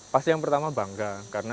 pasti yang pertama bangga